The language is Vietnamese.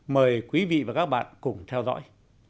mời quý vị và các bạn cùng theo dõi